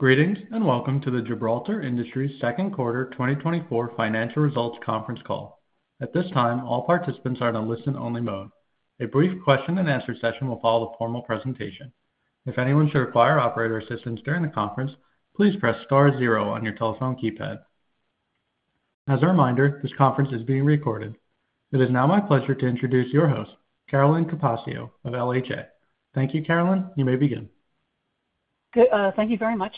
Greetings, and welcome to the Gibraltar Industries Second Quarter 2024 Financial Results Conference Call. At this time, all participants are in a listen-only mode. A brief question-and-answer session will follow the formal presentation. If anyone should require operator assistance during the conference, please press star zero on your telephone keypad. As a reminder, this conference is being recorded. It is now my pleasure to introduce your host, Carolyn Capaccio of LHA. Thank you, Carolyn. You may begin. Good. Thank you very much.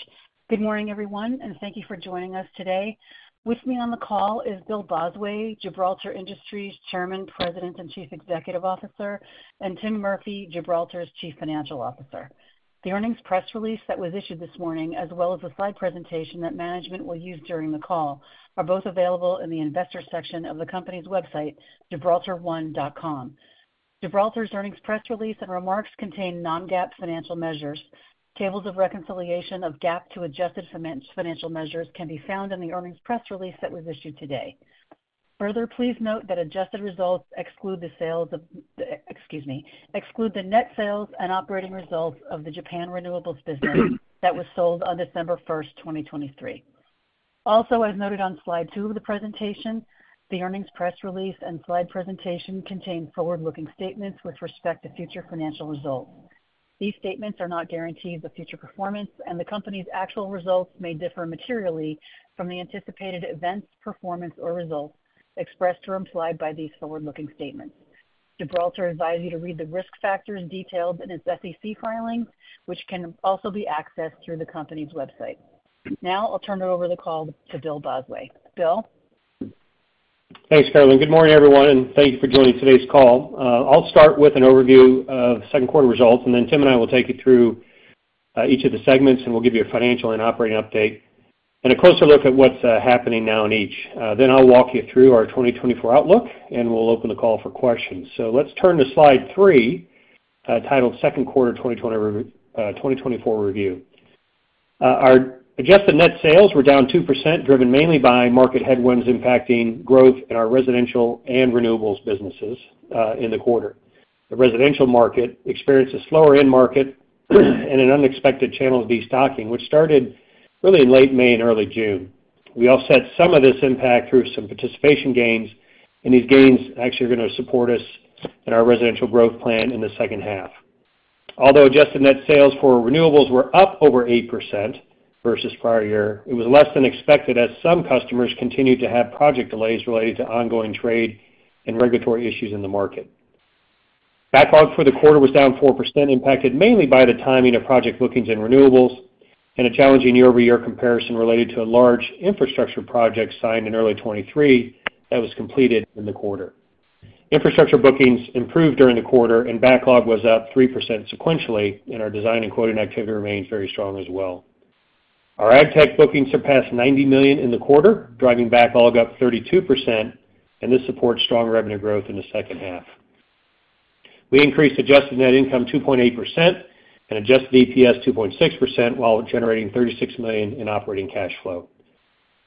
Good morning, everyone, and thank you for joining us today. With me on the call is Bill Bosway, Gibraltar Industries Chairman, President, and Chief Executive Officer, and Tim Murphy, Gibraltar's Chief Financial Officer. The earnings press release that was issued this morning, as well as the slide presentation that management will use during the call, are both available in the Investors section of the company's website, gibraltar1.com. Gibraltar's earnings press release and remarks contain non-GAAP financial measures. Tables of reconciliation of GAAP to adjusted financial measures can be found in the earnings press release that was issued today. Further, please note that adjusted results exclude the sales of, excuse me, exclude the net sales and operating results of the Japan renewables business that was sold on December 1, 2023. Also, as noted on slide two of the presentation, the earnings press release and slide presentation contain forward-looking statements with respect to future financial results. These statements are not guarantees of future performance, and the company's actual results may differ materially from the anticipated events, performance, or results expressed or implied by these forward-looking statements. Gibraltar advises you to read the risk factors detailed in its SEC filings, which can also be accessed through the company's website. Now, I'll turn the call over to Bill Bosway. Bill? Thanks, Carolyn. Good morning, everyone, and thank you for joining today's call. I'll start with an overview of second quarter results, and then Tim and I will take you through each of the segments, and we'll give you a financial and operating update and a closer look at what's happening now in each. Then I'll walk you through our 2024 outlook, and we'll open the call for questions. So let's turn to slide three, titled Second Quarter 2024 Review. Our adjusted net sales were down 2%, driven mainly by market headwinds impacting growth in our residential and renewables businesses in the quarter. The residential market experienced a slower end market and an unexpected channel destocking, which started really in late May and early June. We offset some of this impact through some participation gains, and these gains actually are gonna support us in our residential growth plan in the second half. Although adjusted net sales for renewables were up over 8% versus prior year, it was less than expected as some customers continued to have project delays related to ongoing trade and regulatory issues in the market. Backlog for the quarter was down 4%, impacted mainly by the timing of project bookings and renewables, and a challenging year-over-year comparison related to a large infrastructure project signed in early 2023 that was completed in the quarter. Infrastructure bookings improved during the quarter, and backlog was up 3% sequentially, and our design and quoting activity remains very strong as well. Our Agtech bookings surpassed $90 million in the quarter, driving backlog up 32%, and this supports strong revenue growth in the second half. We increased adjusted net income 2.8% and adjusted EPS 2.6%, while generating $36 million in operating cash flow.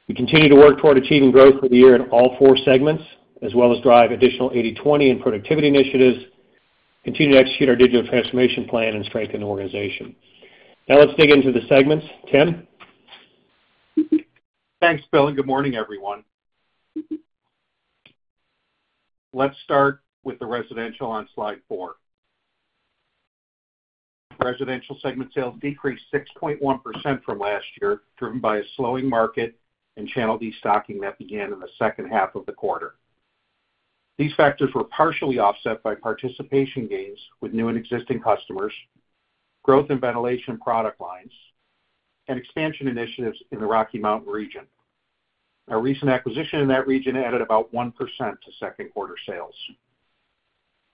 We continue to work toward achieving growth for the year in all four segments, as well as drive additional 80/20 and productivity initiatives, continue to execute our digital transformation plan, and strengthen the organization. Now, let's dig into the segments. Tim? Thanks, Bill, and good morning, everyone. Let's start with the residential on slide 4. Residential segment sales decreased 6.1% from last year, driven by a slowing market and channel destocking that began in the second half of the quarter. These factors were partially offset by participation gains with new and existing customers, growth in ventilation product lines, and expansion initiatives in the Rocky Mountain region. Our recent acquisition in that region added about 1% to second quarter sales.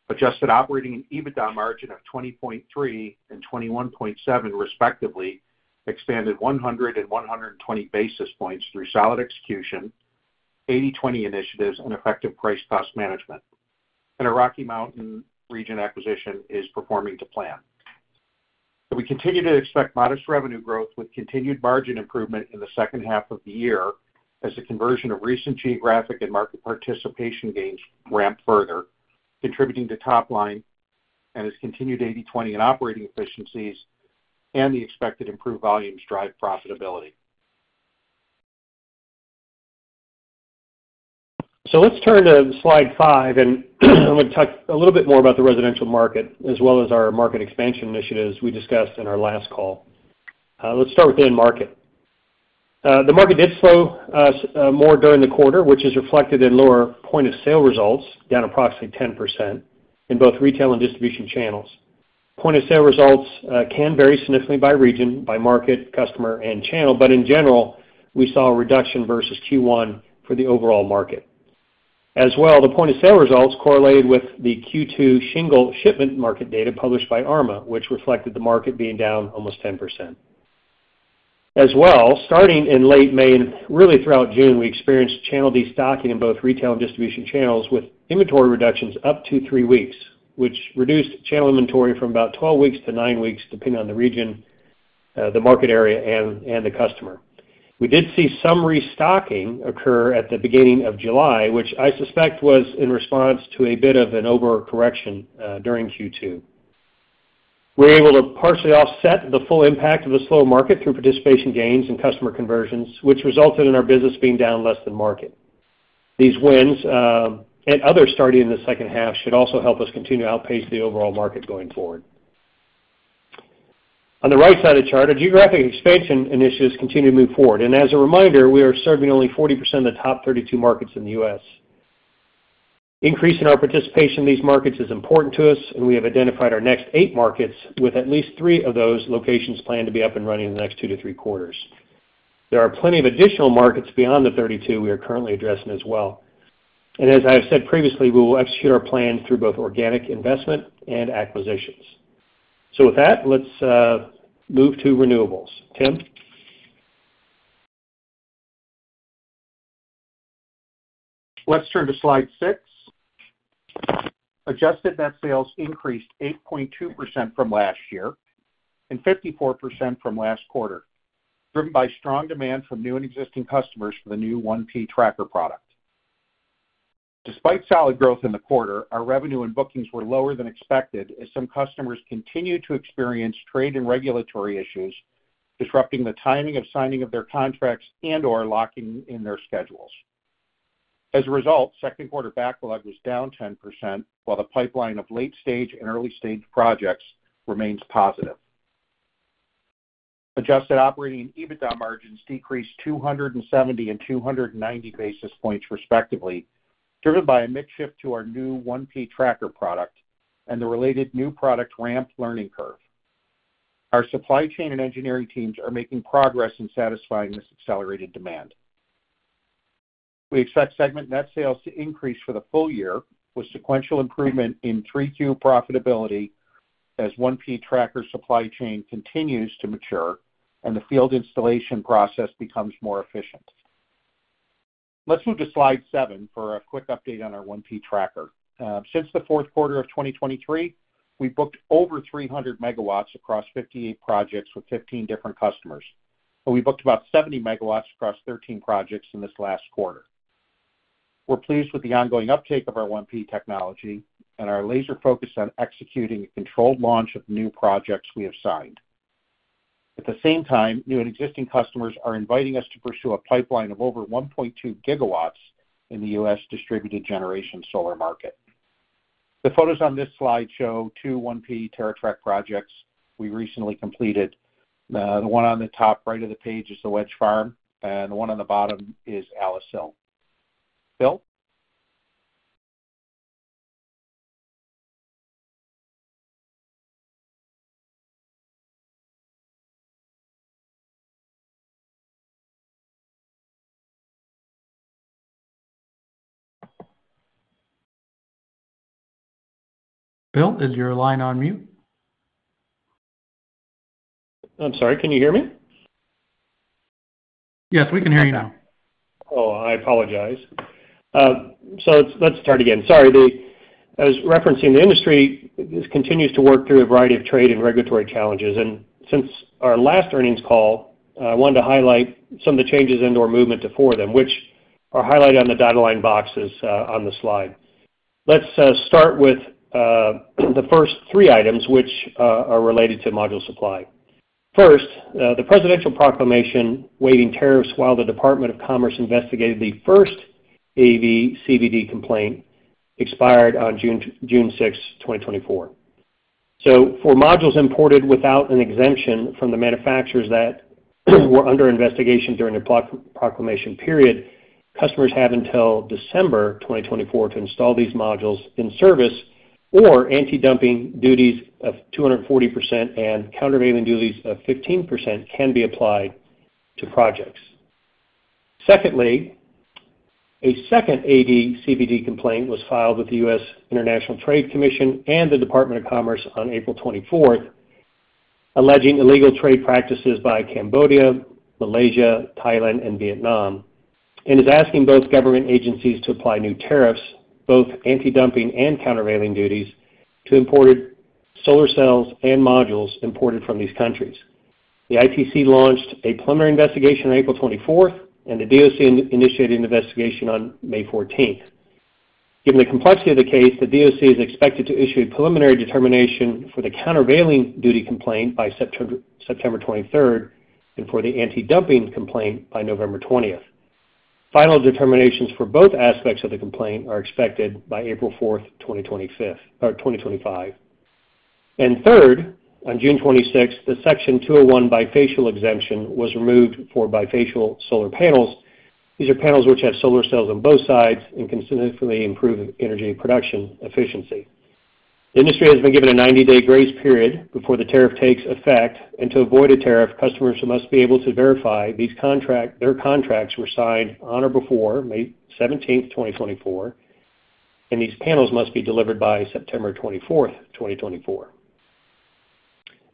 Adjusted operating and EBITDA margin of 20.3 and 21.7, respectively, expanded 100 and 120 basis points through solid execution, 80/20 initiatives, and effective price-cost management. Our Rocky Mountain region acquisition is performing to plan. We continue to expect modest revenue growth with continued margin improvement in the second half of the year, as the conversion of recent geographic and market participation gains ramp further, contributing to top line and its continued 80/20 in operating efficiencies and the expected improved volumes drive profitability. So let's turn to slide five, and I'm going to talk a little bit more about the residential market, as well as our market expansion initiatives we discussed in our last call. Let's start with the end market. The market did slow more during the quarter, which is reflected in lower point of sale results, down approximately 10% in both retail and distribution channels. Point of sale results can vary significantly by region, by market, customer, and channel, but in general, we saw a reduction versus Q1 for the overall market. As well, the point of sale results correlated with the Q2 shingle shipment market data published by ARMA, which reflected the market being down almost 10%. As well, starting in late May and really throughout June, we experienced channel destocking in both retail and distribution channels, with inventory reductions up to 3 weeks, which reduced channel inventory from about 12 weeks to 9 weeks, depending on the region, the market area, and the customer. We did see some restocking occur at the beginning of July, which I suspect was in response to a bit of an overcorrection during Q2. We were able to partially offset the full impact of a slow market through participation gains and customer conversions, which resulted in our business being down less than market. These wins, and others starting in the second half, should also help us continue to outpace the overall market going forward. On the right side of the chart, our geographic expansion initiatives continue to move forward, and as a reminder, we are serving only 40% of the top 32 markets in the U.S. Increase in our participation in these markets is important to us, and we have identified our next 8 markets, with at least 3 of those locations planned to be up and running in the next 2-3 quarters. There are plenty of additional markets beyond the 32 we are currently addressing as well. As I have said previously, we will execute our plan through both organic investment and acquisitions. So with that, let's move to renewables. Tim? Let's turn to Slide six. Adjusted net sales increased 8.2% from last year and 54% from last quarter, driven by strong demand from new and existing customers for the new 1P Tracker product. Despite solid growth in the quarter, our revenue and bookings were lower than expected as some customers continued to experience trade and regulatory issues, disrupting the timing of signing of their contracts and/or locking in their schedules. As a result, second quarter backlog was down 10%, while the pipeline of late-stage and early-stage projects remains positive. Adjusted operating EBITDA margins decreased 270 and 290 basis points, respectively, driven by a mix shift to our new 1P Tracker product and the related new product ramp learning curve. Our supply chain and engineering teams are making progress in satisfying this accelerated demand. We expect segment net sales to increase for the full year, with sequential improvement in 3Q profitability as 1P Tracker supply chain continues to mature and the field installation process becomes more efficient. Let's move to Slide seven for a quick update on our 1P Tracker. Since the fourth quarter of 2023, we've booked over 300 MW across 58 projects with 15 different customers, and we booked about 70 MW across 13 projects in this last quarter. We're pleased with the ongoing uptake of our 1P technology and our laser focus on executing a controlled launch of new projects we have signed. At the same time, new and existing customers are inviting us to pursue a pipeline of over 1.2 GW in the U.S. distributed generation solar market. The photos on this slide show two 1P TerraTrak projects we recently completed. The one on the top right of the page is the Wedge Farm, and the one on the bottom is Aliceville. Bill? Bill, is your line on mute? I'm sorry, can you hear me? Yes, we can hear you now. Oh, I apologize. So let's, let's start again. Sorry. I was referencing the industry, this continues to work through a variety of trade and regulatory challenges, and since our last earnings call, I wanted to highlight some of the changes in or movement to four of them, which are highlighted on the dotted line boxes, on the slide. Let's start with the first three items, which are related to module supply. First, the presidential proclamation waiving tariffs while the Department of Commerce investigated the first AD/CVD complaint, expired on June 6th, 2024. So for modules imported without an exemption from the manufacturers that were under investigation during the proclamation period, customers have until December 2024 to install these modules in service, or antidumping duties of 240% and countervailing duties of 15% can be applied to projects. Secondly, a second AD/CVD complaint was filed with the US International Trade Commission and the Department of Commerce on April 24th, alleging illegal trade practices by Cambodia, Malaysia, Thailand, and Vietnam, and is asking both government agencies to apply new tariffs, both antidumping and countervailing duties, to imported solar cells and modules imported from these countries. The ITC launched a preliminary investigation on April 24th, and the DOC initiated an investigation on May 14th. Given the complexity of the case, the DOC is expected to issue a preliminary determination for the countervailing duty complaint by September 23rd, and for the antidumping complaint by November 20th. Final determinations for both aspects of the complaint are expected by April 4th, 2025. And third, on June 26th, the Section 201 bifacial exemption was removed for bifacial solar panels. These are panels which have solar cells on both sides and can significantly improve energy production efficiency. The industry has been given a 90-day grace period before the tariff takes effect, and to avoid a tariff, customers must be able to verify their contracts were signed on or before May 17th, 2024, and these panels must be delivered by September 24th, 2024.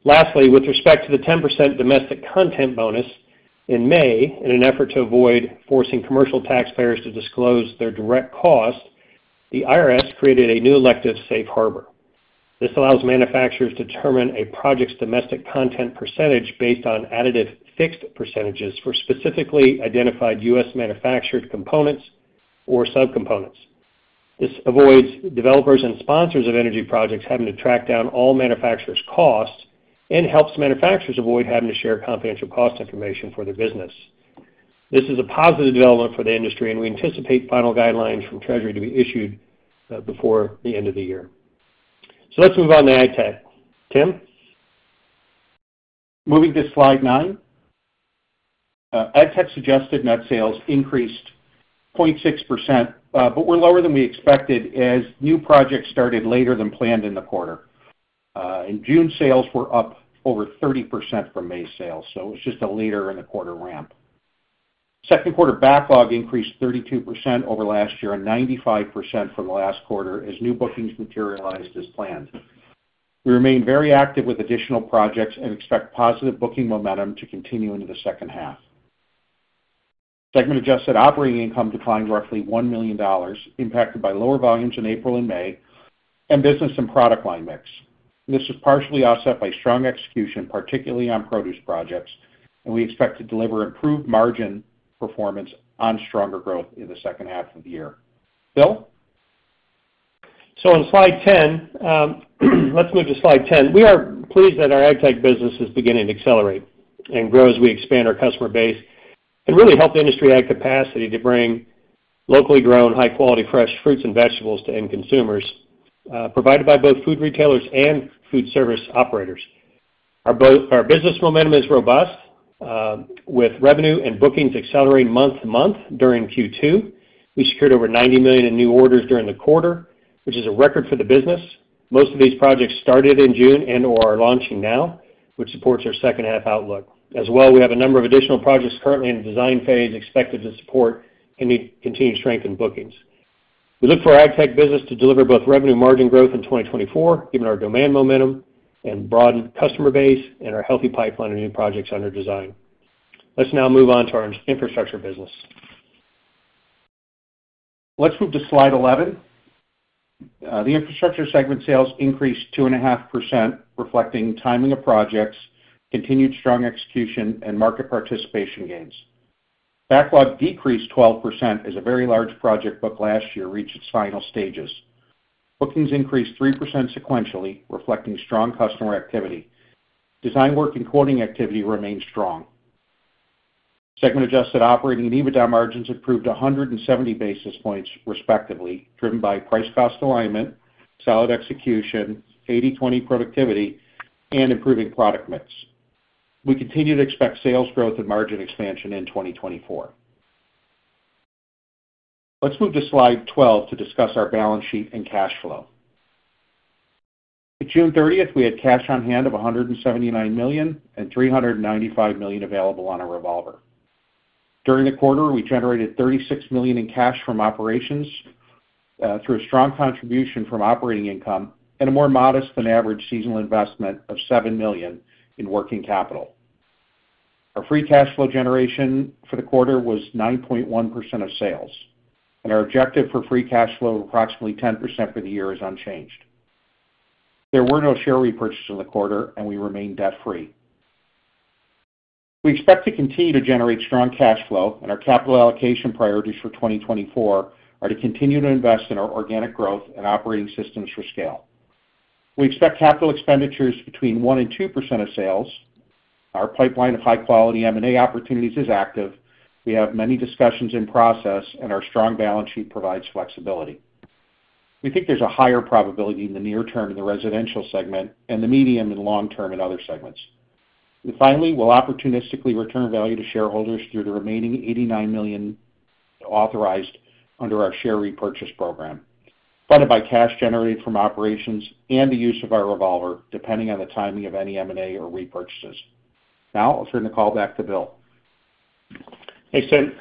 Lastly, with respect to the 10% domestic content bonus, in May, in an effort to avoid forcing commercial taxpayers to disclose their direct costs, the IRS created a new elective safe harbor. This allows manufacturers to determine a project's domestic content percentage based on additive fixed percentages for specifically identified U.S.-manufactured components or subcomponents. This avoids developers and sponsors of energy projects having to track down all manufacturers' costs, and helps manufacturers avoid having to share confidential cost information for their business. This is a positive development for the industry, and we anticipate final guidelines from Treasury to be issued before the end of the year. So let's move on to Agtech. Tim? Moving to Slide nine. Agtech suggested net sales increased 0.6%, but were lower than we expected as new projects started later than planned in the quarter. In June, sales were up over 30% from May sales, so it's just a later in the quarter ramp. Second quarter backlog increased 32% over last year, and 95% from last quarter as new bookings materialized as planned. We remain very active with additional projects and expect positive booking momentum to continue into the second half. Segment-adjusted operating income declined roughly $1 million, impacted by lower volumes in April and May, and business and product line mix. This was partially offset by strong execution, particularly on produce projects, and we expect to deliver improved margin performance on stronger growth in the second half of the year. Bill? So on Slide 10, let's move to Slide 10. We are pleased that our Agtech business is beginning to accelerate and grow as we expand our customer base, and really help the industry add capacity to bring locally grown, high-quality, fresh fruits and vegetables to end consumers, provided by both food retailers and food service operators. Our business momentum is robust, with revenue and bookings accelerating month to month during Q2. We secured over $90 million in new orders during the quarter, which is a record for the business. Most of these projects started in June and/or are launching now, which supports our second half outlook. As well, we have a number of additional projects currently in the design phase, expected to support any continued strength in bookings. We look for our Agtech business to deliver both revenue margin growth in 2024, given our demand momentum and broadened customer base, and our healthy pipeline of new projects under design. Let's now move on to our infrastructure business. Let's move to Slide 11. The infrastructure segment sales increased 2.5%, reflecting timing of projects, continued strong execution, and market participation gains. Backlog decreased 12% as a very large project booked last year reached its final stages. Bookings increased 3% sequentially, reflecting strong customer activity. Design work and quoting activity remained strong. Segment adjusted operating and EBITDA margins improved 170 basis points respectively, driven by price-cost alignment, solid execution, 80/20 productivity, and improving product mix. We continue to expect sales growth and margin expansion in 2024. Let's move to Slide 12 to discuss our balance sheet and cash flow. At June 30th, we had cash on hand of $179 million, and $395 million available on our revolver. During the quarter, we generated $36 million in cash from operations through a strong contribution from operating income and a more modest than average seasonal investment of $7 million in working capital. Our free cash flow generation for the quarter was 9.1% of sales, and our objective for free cash flow of approximately 10% for the year is unchanged. There were no share repurchases in the quarter, and we remain debt-free. We expect to continue to generate strong cash flow, and our capital allocation priorities for 2024 are to continue to invest in our organic growth and operating systems for scale. We expect capital expenditures between 1% and 2% of sales. Our pipeline of high-quality M&A opportunities is active. We have many discussions in process, and our strong balance sheet provides flexibility. We think there's a higher probability in the near term in the residential segment and the medium and long term in other segments. Finally, we'll opportunistically return value to shareholders through the remaining 89 million authorized under our share repurchase program, funded by cash generated from operations and the use of our revolver, depending on the timing of any M&A or repurchases. Now, I'll turn the call back to Bill. Thanks, Tim.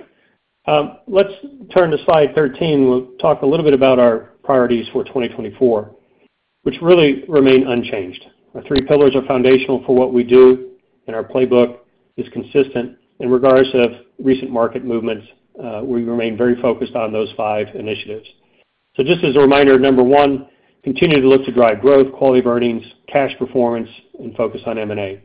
Let's turn to Slide 13. We'll talk a little bit about our priorities for 2024, which really remain unchanged. Our three pillars are foundational for what we do, and our playbook is consistent. In regards to recent market movements, we remain very focused on those five initiatives. So just as a reminder, number one, continue to look to drive growth, quality of earnings, cash performance, and focus on M&A.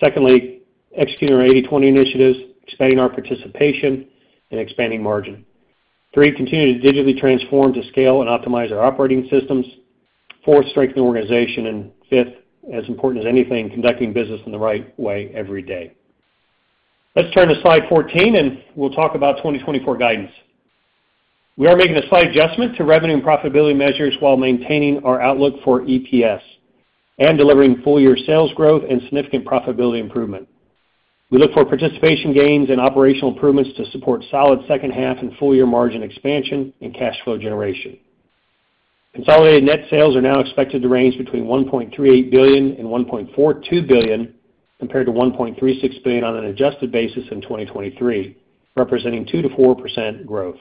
Secondly, execute on our 80/20 initiatives, expanding our participation and expanding margin. Three, continue to digitally transform to scale and optimize our operating systems. Four, strengthen the organization, and fifth, as important as anything, conducting business in the right way every day. Let's turn to Slide 14, and we'll talk about 2024 guidance. We are making a slight adjustment to revenue and profitability measures while maintaining our outlook for EPS and delivering full-year sales growth and significant profitability improvement. We look for participation gains and operational improvements to support solid second half and full-year margin expansion and cash flow generation. Consolidated net sales are now expected to range between $1.38 billion and $1.42 billion, compared to $1.36 billion on an adjusted basis in 2023, representing 2%-4% growth.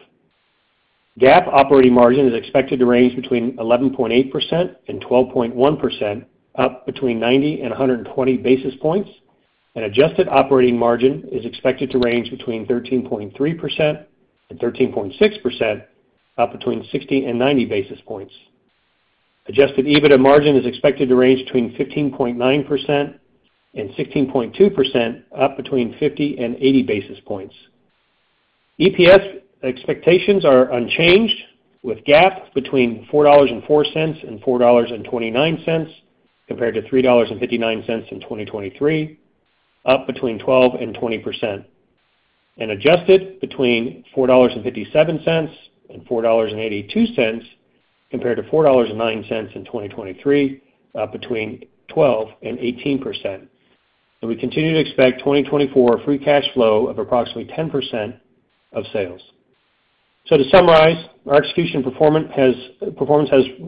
GAAP operating margin is expected to range between 11.8% and 12.1%, up between 90 and 120 basis points, and adjusted operating margin is expected to range between 13.3% and 13.6%, up between 60 and 90 basis points. Adjusted EBITDA margin is expected to range between 15.9% and 16.2%, up between 50 and 80 basis points. EPS expectations are unchanged, with GAAP between $4.04 and $4.29, compared to $3.59 in 2023, up between 12% and 20%, and adjusted between $4.57 and $4.82, compared to $4.09 in 2023, up between 12% and 18%. We continue to expect 2024 free cash flow of approximately 10% of sales. So to summarize, our execution performance has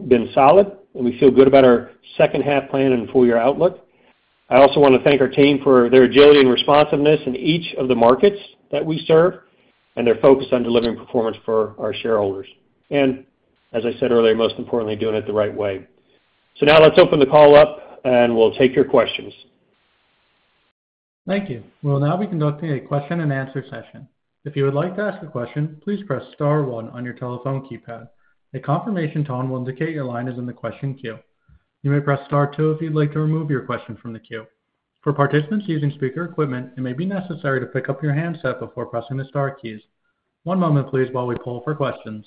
been solid, and we feel good about our second half plan and full year outlook. I also want to thank our team for their agility and responsiveness in each of the markets that we serve, and their focus on delivering performance for our shareholders. As I said earlier, most importantly, doing it the right way. Now let's open the call up, and we'll take your questions. Thank you. We'll now be conducting a question-and-answer session. If you would like to ask a question, please press star one on your telephone keypad. A confirmation tone will indicate your line is in the question queue. You may press star two if you'd like to remove your question from the queue. For participants using speaker equipment, it may be necessary to pick up your handset before pressing the star keys. One moment please, while we poll for questions.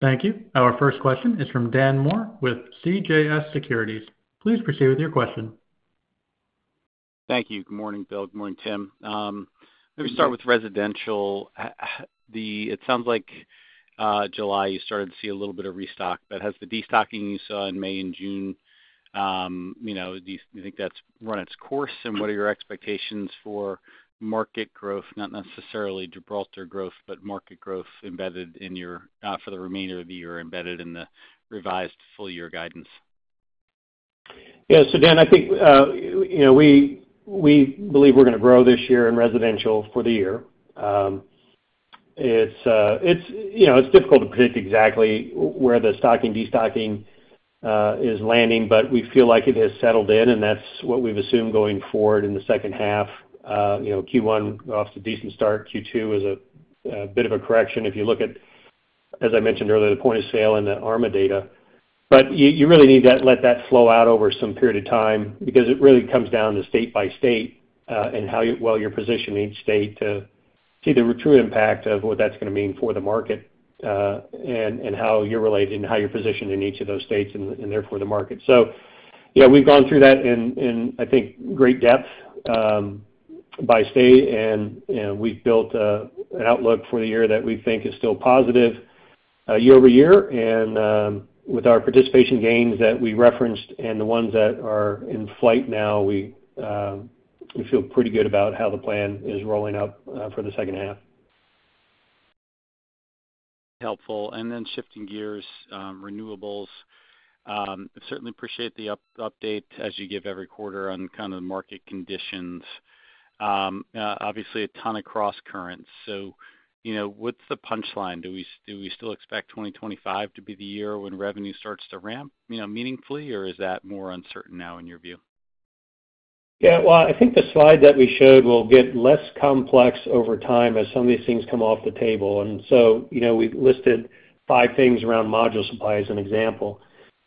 Thank you. Our first question is from Dan Moore with CJS Securities. Please proceed with your question. Thank you. Good morning, Bill. Good morning, Tim. Let me start with residential. It sounds like, July, you started to see a little bit of restock, but has the destocking you saw in May and June, you know, do you, you think that's run its course? And what are your expectations for market growth, not necessarily Gibraltar growth, but market growth embedded in your, for the remainder of the year, embedded in the revised full year guidance? Yeah, so Dan, I think, you know, we, we believe we're gonna grow this year in residential for the year. It's, you know, it's difficult to predict exactly where the stocking, destocking, is landing, but we feel like it has settled in, and that's what we've assumed going forward in the second half. You know, Q1, off to a decent start. Q2 is a bit of a correction if you look at, as I mentioned earlier, the point of sale and the ARMA data. But you really need to let that flow out over some period of time because it really comes down to state by state, and how you, well, your position in each state to see the true impact of what that's gonna mean for the market, and, and how you're related and how you're positioned in each of those states and, and therefore, the market. So, yeah, we've gone through that in, I think, great depth, by state, and, and we've built, an outlook for the year that we think is still positive, year-over-year. And, with our participation gains that we referenced and the ones that are in flight now, we, we feel pretty good about how the plan is rolling out, for the second half. Helpful. And then shifting gears, renewables. Certainly appreciate the update as you give every quarter on kind of the market conditions. Obviously, a ton of crosscurrents. So, you know, what's the punchline? Do we, do we still expect 2025 to be the year when revenue starts to ramp, you know, meaningfully, or is that more uncertain now in your view? Yeah. Well, I think the slide that we showed will get less complex over time as some of these things come off the table. And so, you know, we've listed five things around module supply as an example.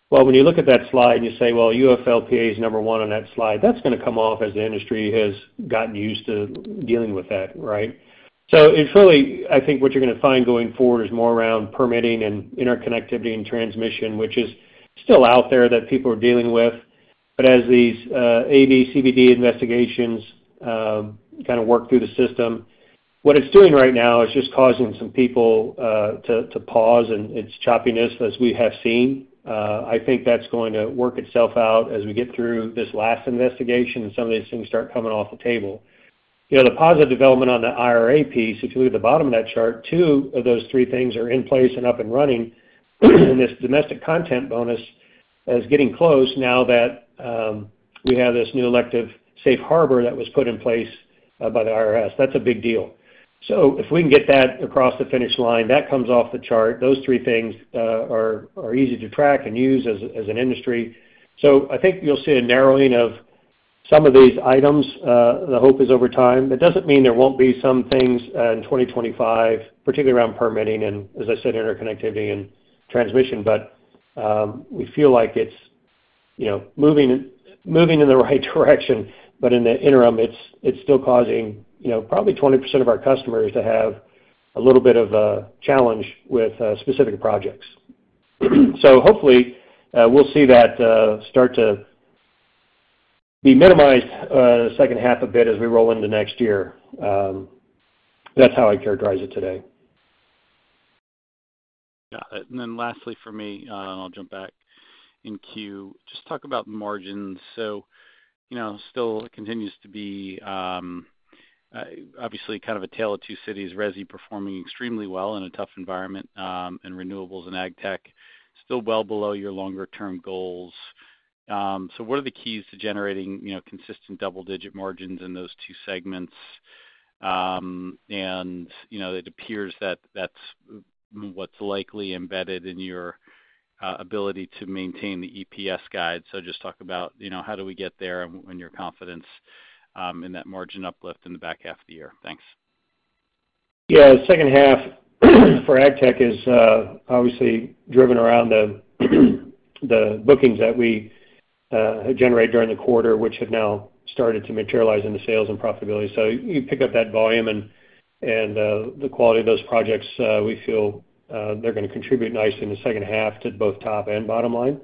Well, when you look at that slide and you say, "Well, UFLPA is number one on that slide," that's gonna come off as the industry has gotten used to dealing with that, right? So it's really, I think what you're gonna find going forward is more around permitting and interconnectivity and transmission, which is still out there, that people are dealing with. But as these, AD/CVD investigations, kind of work through the system, what it's doing right now is just causing some people, to pause, and it's choppiness, as we have seen. I think that's going to work itself out as we get through this last investigation, and some of these things start coming off the table. You know, the positive development on the IRA piece, if you look at the bottom of that chart, two of those three things are in place and up and running. And this domestic content bonus is getting close now that we have this new elective safe harbor that was put in place by the IRS. That's a big deal. So if we can get that across the finish line, that comes off the chart. Those three things are easy to track and use as an industry. So I think you'll see a narrowing of some of these items, the hope is over time. It doesn't mean there won't be some things in 2025, particularly around permitting and, as I said, interconnectivity and transmission. But we feel like it's, you know, moving in the right direction. But in the interim, it's still causing, you know, probably 20% of our customers to have a little bit of a challenge with specific projects. So hopefully we'll see that start to be minimized in the second half a bit as we roll into next year. That's how I'd characterize it today. Got it. And then lastly for me, I'll jump back in queue. Just talk about margins. So, you know, still continues to be, obviously, kind of a tale of two cities, resi performing extremely well in a tough environment, and renewables and ag tech still well below your longer-term goals. So what are the keys to generating, you know, consistent double-digit margins in those two segments? And, you know, it appears that that's what's likely embedded in your ability to maintain the EPS guide. So just talk about, you know, how do we get there and your confidence in that margin uplift in the back half of the year? Thanks. Yeah, the second half for Agtech is obviously driven around the bookings that we generate during the quarter, which have now started to materialize into sales and profitability. So you pick up that volume and the quality of those projects. We feel they're gonna contribute nicely in the second half to both top and bottom line.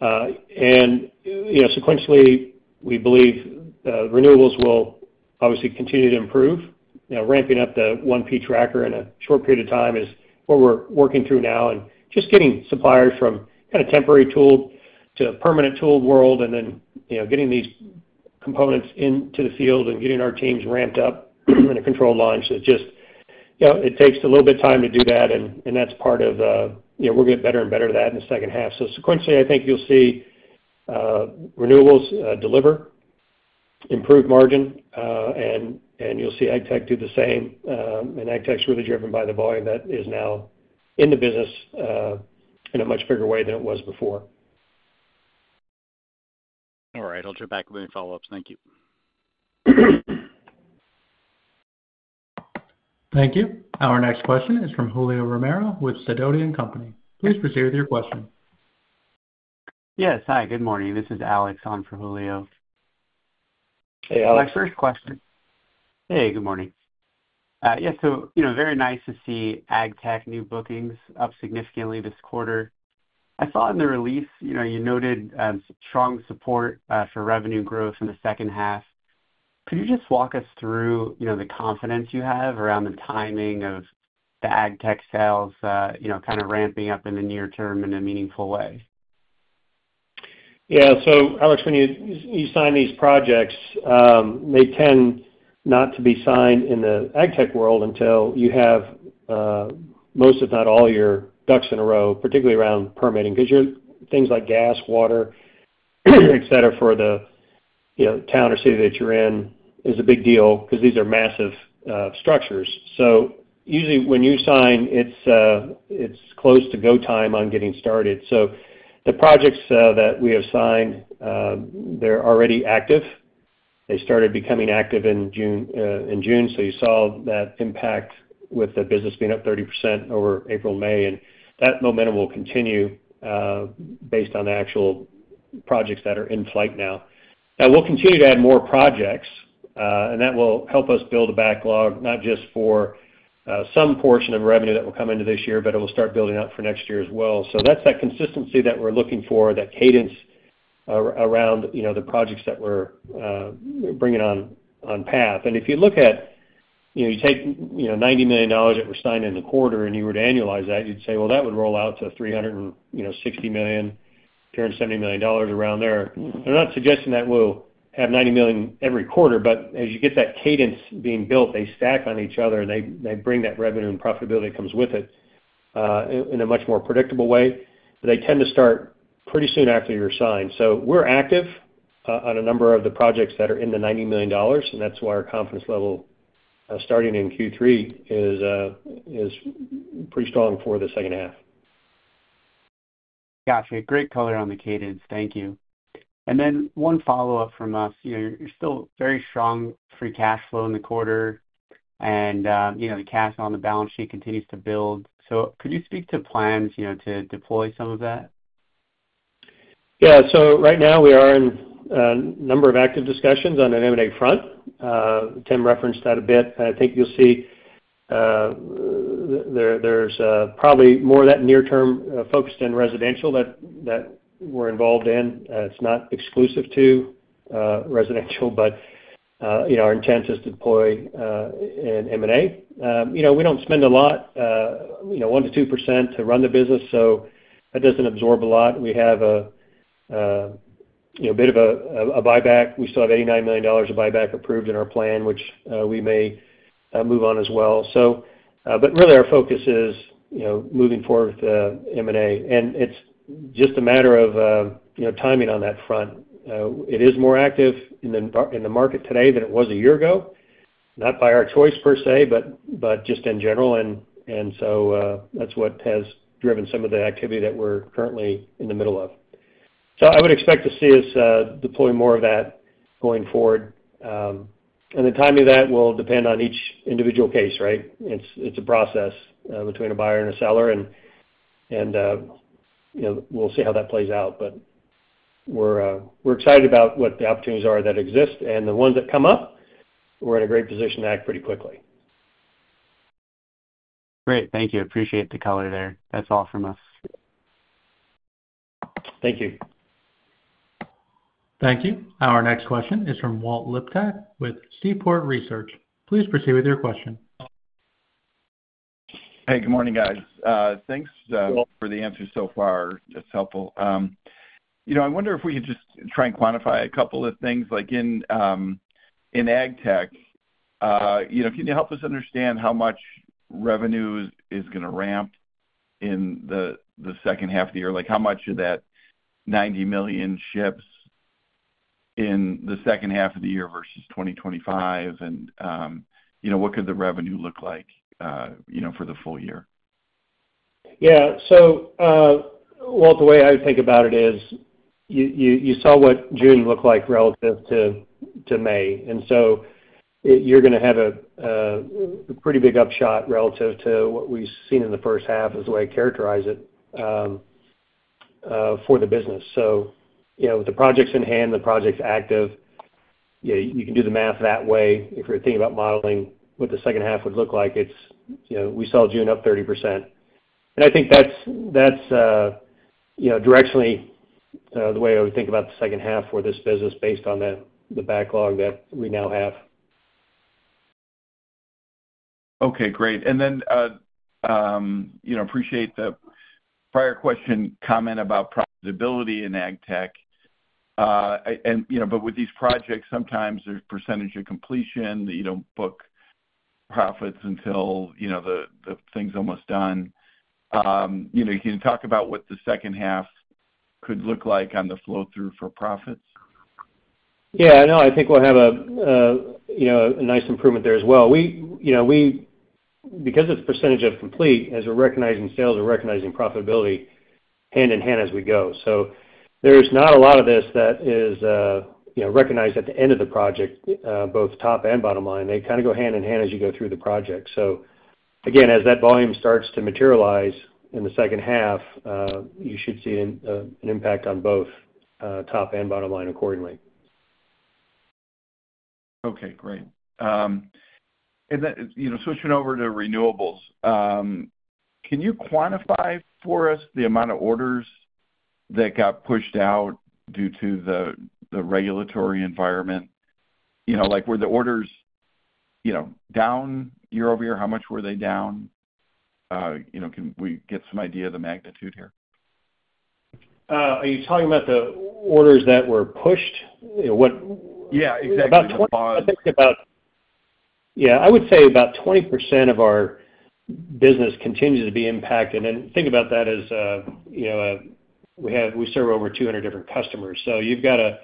And, you know, sequentially, we believe renewables will obviously continue to improve. You know, ramping up the 1P Tracker in a short period of time is what we're working through now, and just getting suppliers from kind of temporary tool to a permanent tool world, and then, you know, getting these components into the field and getting our teams ramped up in a controlled launch. It just. You know, it takes a little bit of time to do that, and that's part of. You know, we'll get better and better at that in the second half. So sequentially, I think you'll see renewables deliver improved margin, and you'll see Agtech do the same. And Agtech's really driven by the volume that is now in the business, in a much bigger way than it was before. All right. I'll jump back with any follow-ups. Thank you. Thank you. Our next question is from Julio Romero with SIDOTI & Company. Please proceed with your question. Yes. Hi, good morning. This is Alex on for Julio. Hey, Alex. Hey, good morning. Yeah, so, you know, very nice to see Agtech new bookings up significantly this quarter. I saw in the release, you know, you noted strong support for revenue growth in the second half. Could you just walk us through, you know, the confidence you have around the timing of the Agtech sales, you know, kind of ramping up in the near term in a meaningful way? Yeah. So Alex, when you sign these projects, they tend not to be signed in the Agtech world until you have most, if not all, your ducks in a row, particularly around permitting. Because things like gas, water, et cetera, for the, you know, town or city that you're in is a big deal because these are massive structures. So usually, when you sign, it's close to go time on getting started. So the projects that we have signed, they're already active. They started becoming active in June, in June, so you saw that impact with the business being up 30% over April, May. And that momentum will continue based on the actual projects that are in flight now. We'll continue to add more projects, and that will help us build a backlog, not just for some portion of revenue that will come into this year, but it will start building out for next year as well. That's that consistency that we're looking for, that cadence around, you know, the projects that we're bringing on path. And if you look at -- you know, you take, you know, $90 million that were signed in the quarter, and you were to annualize that, you'd say, "Well, that would roll out to $360 million, $270 million around there." I'm not suggesting that we'll have $90 million every quarter, but as you get that cadence being built, they stack on each other, and they, they bring that revenue and profitability that comes with it in a much more predictable way. They tend to start pretty soon after you're signed. So we're active on a number of the projects that are in the $90 million, and that's why our confidence level starting in Q3 is pretty strong for the second half. Gotcha. Great color on the cadence. Thank you. Then one follow-up from us. You know, you're still very strong free cash flow in the quarter, and, you know, the cash on the balance sheet continues to build. So could you speak to plans, you know, to deploy some of that? Yeah. So right now we are in a number of active discussions on an M&A front. Tim referenced that a bit. I think you'll see there's probably more of that near term focused in residential that we're involved in. It's not exclusive to residential, but you know, our intent is to deploy in M&A. You know, we don't spend a lot you know, 1%-2% to run the business, so that doesn't absorb a lot. We have a you know, a bit of a buyback. We still have $89 million of buyback approved in our plan, which we may move on as well. But really our focus is, you know, moving forward with M&A, and it's just a matter of, you know, timing on that front. It is more active in the market today than it was a year ago. Not by our choice, per se, but just in general. And so, that's what has driven some of the activity that we're currently in the middle of. So I would expect to see us deploy more of that going forward. And the timing of that will depend on each individual case, right? It's a process between a buyer and a seller, and, you know, we'll see how that plays out. But we're excited about what the opportunities are that exist, and the ones that come up, we're in a great position to act pretty quickly. Great. Thank you. Appreciate the color there. That's all from us. Thank you. Thank you. Our next question is from Walter Liptak with Seaport Research Partners. Please proceed with your question. Hey, good morning, guys. Thanks for the answers so far. It's helpful. You know, I wonder if we could just try and quantify a couple of things, like in Agtech.... you know, can you help us understand how much revenue is gonna ramp in the second half of the year? Like, how much of that $90 million ships in the second half of the year versus 2025? And, you know, what could the revenue look like, you know, for the full year? Yeah. So, well, the way I would think about it is, you saw what June looked like relative to May. And so you're gonna have a pretty big upshot relative to what we've seen in the first half, is the way I characterize it, for the business. So, you know, with the projects in hand, the projects active, yeah, you can do the math that way. If you're thinking about modeling what the second half would look like, it's, you know, we saw June up 30%. And I think that's, that's, you know, directionally, the way I would think about the second half for this business based on the backlog that we now have. Okay, great. And then, you know, appreciate the prior question, comment about profitability in AgTech. You know, but with these projects, sometimes there's percentage of completion, that you don't book profits until, you know, the thing's almost done. You know, can you talk about what the second half could look like on the flow through for profits? Yeah, no, I think we'll have a, you know, a nice improvement there as well. We, you know, because it's percentage of complete, as we're recognizing sales, we're recognizing profitability hand in hand as we go. So there's not a lot of this that is, you know, recognized at the end of the project, both top and bottom line. They kind of go hand in hand as you go through the project. So again, as that volume starts to materialize in the second half, you should see an impact on both, top and bottom line accordingly. Okay, great. And then, you know, switching over to renewables, can you quantify for us the amount of orders that got pushed out due to the regulatory environment? You know, like, were the orders, you know, down year-over-year? How much were they down? You know, can we get some idea of the magnitude here? Are you talking about the orders that were pushed? You know, what- Yeah, exactly. I would say about 20% of our business continues to be impacted. And think about that as, you know, we serve over 200 different customers. So you've got a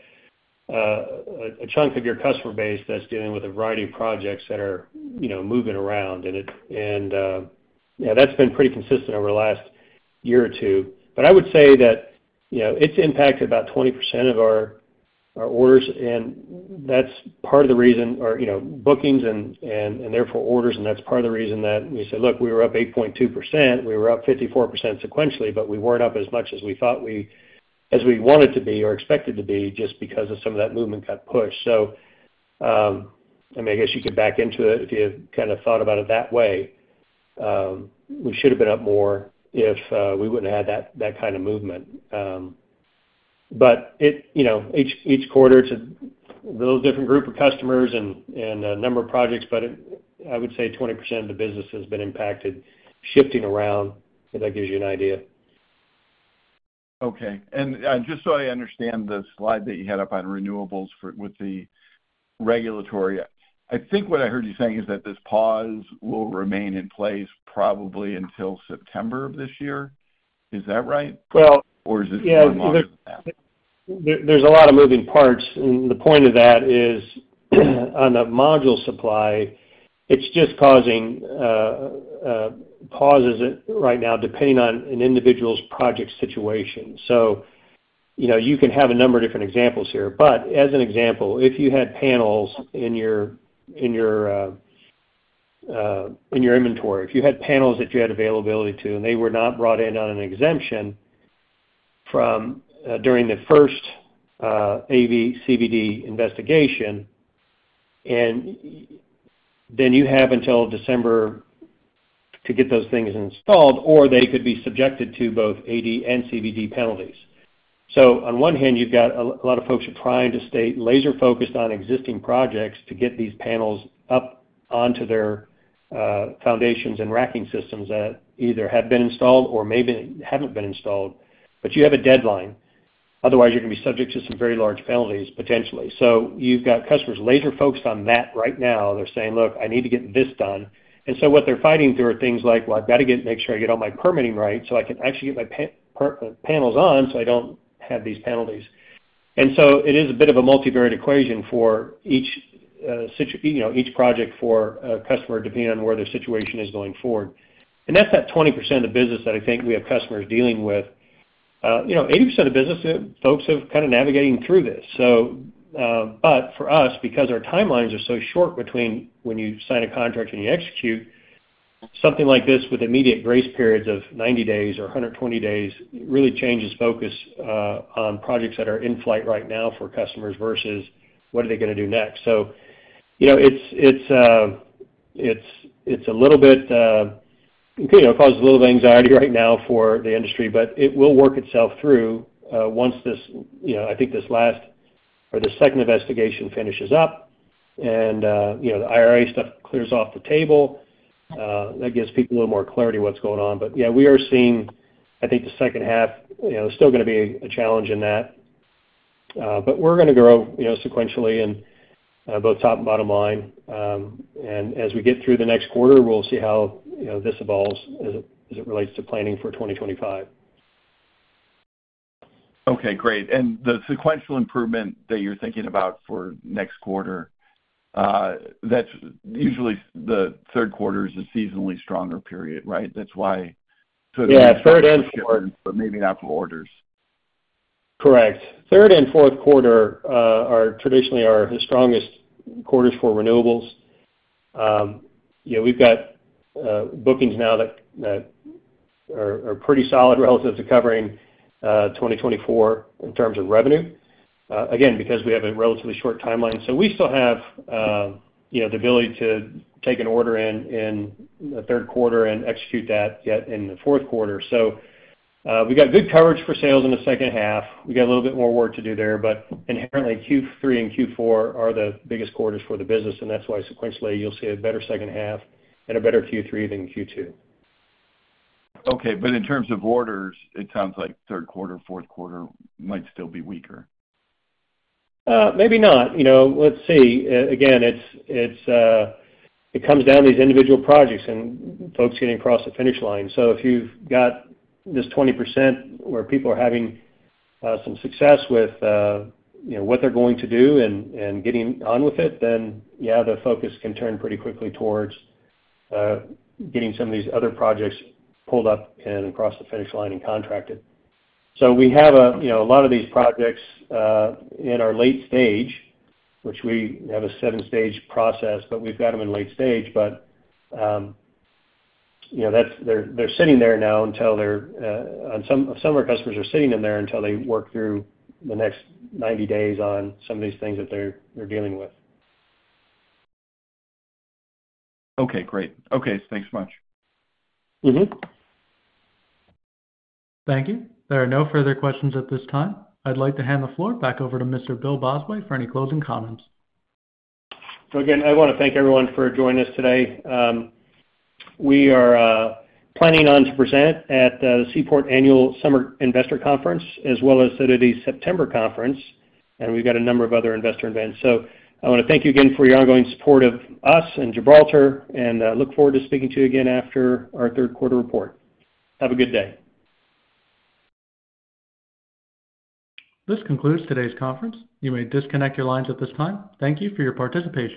chunk of your customer base that's dealing with a variety of projects that are, you know, moving around. And yeah, that's been pretty consistent over the last year or two. But I would say that, you know, it's impacted about 20% of our orders, and that's part of the reason, you know, bookings and therefore orders. And that's part of the reason that we said, look, we were up 8.2%. We were up 54% sequentially, but we weren't up as much as we thought we... as we wanted to be or expected to be, just because of some of that movement got pushed. So, I mean, I guess you could back into it if you kind of thought about it that way. We should have been up more if we wouldn't have had that, that kind of movement. But it- you know, each, each quarter, it's a little different group of customers and, and a number of projects, but it- I would say 20% of the business has been impacted, shifting around. If that gives you an idea. Okay. And, just so I understand the slide that you had up on renewables with the regulatory, I think what I heard you saying is that this pause will remain in place probably until September of this year. Is that right? Well- Or is it longer than that? Yeah, there, there's a lot of moving parts, and the point of that is, on the module supply, it's just causing pauses right now, depending on an individual's project situation. So, you know, you can have a number of different examples here, but as an example, if you had panels in your inventory. If you had panels that you had availability to, and they were not brought in on an exemption from during the first AD/CVD investigation, and then you have until December to get those things installed, or they could be subjected to both AD and CVD penalties. So on one hand, you've got a lot of folks are trying to stay laser focused on existing projects to get these panels up onto their foundations and racking systems that either have been installed or maybe haven't been installed. But you have a deadline. Otherwise, you're gonna be subject to some very large penalties, potentially. So you've got customers laser focused on that right now. They're saying, "Look, I need to get this done." And so what they're fighting through are things like, "Well, I've got to make sure I get all my permitting right, so I can actually get my panels on, so I don't have these penalties." And so it is a bit of a multivariate equation for each, you know, each project for a customer, depending on where their situation is going forward. That's that 20% of the business that I think we have customers dealing with. You know, 80% of the business, folks are kind of navigating through this. So, but for us, because our timelines are so short between when you sign a contract and you execute, something like this with immediate grace periods of 90 days or 120 days, really changes focus on projects that are in flight right now for customers versus what are they gonna do next. So, you know, it's a little bit, you know, causes a little bit of anxiety right now for the industry, but it will work itself through, once this, you know, I think this last or the second investigation finishes up and, you know, the IRA stuff clears off the table, that gives people a little more clarity of what's going on. But yeah, we are seeing, I think, the second half, you know, there's still gonna be a challenge in that. But we're gonna grow, you know, sequentially in both top and bottom line. And as we get through the next quarter, we'll see how, you know, this evolves as it relates to planning for 2025. Okay, great. And the sequential improvement that you're thinking about for next quarter, that's usually the third quarter is a seasonally stronger period, right? That's why- Yeah, third and- But maybe not for orders. Correct. Third and fourth quarter are traditionally the strongest quarters for renewables. Yeah, we've got bookings now that are pretty solid relative to covering 2024 in terms of revenue, again, because we have a relatively short timeline. So we still have, you know, the ability to take an order in the third quarter and execute that yet in the fourth quarter. So, we got good coverage for sales in the second half. We got a little bit more work to do there, but inherently, Q3 and Q4 are the biggest quarters for the business, and that's why sequentially, you'll see a better second half and a better Q3 than Q2. Okay, but in terms of orders, it sounds like third quarter, fourth quarter might still be weaker. Maybe not. You know, let's see. Again, it's, it comes down to these individual projects and folks getting across the finish line. So if you've got this 20% where people are having some success with, you know, what they're going to do and getting on with it, then yeah, the focus can turn pretty quickly towards getting some of these other projects pulled up and across the finish line and contracted. So we have, you know, a lot of these projects in our late stage, which we have a seven-stage process, but we've got them in late stage. But, you know, that's—they're sitting there now until they're on some of our customers are sitting in there until they work through the next 90 days on some of these things that they're dealing with. Okay, great. Okay, thanks much. Mm-hmm. Thank you. There are no further questions at this time. I'd like to hand the floor back over to Mr. Bill Bosway for any closing comments. So again, I wanna thank everyone for joining us today. We are planning on to present at the Seaport Annual Summer Investor Conference, as well as at the September conference, and we've got a number of other investor events. So I wanna thank you again for your ongoing support of us and Gibraltar, and look forward to speaking to you again after our third quarter report. Have a good day. This concludes today's conference. You may disconnect your lines at this time. Thank you for your participation.